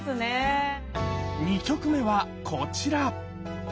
２曲目はこちら！